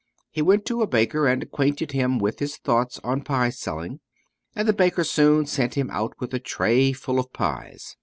He went to a baker and acquainted him with his thoughts on pie selling, and the baker soon sent him out with a tray full of pies.